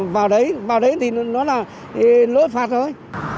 vào đấy vào đấy thì nó là lỗi vi phạm thôi